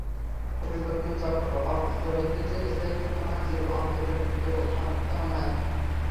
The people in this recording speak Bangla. পরিবর্তনের চক্র আবর্তিত হইতেছে! স্থায়িত্ব তোমার নিজের অন্তরে ব্যতীত অন্য কোথাও নাই।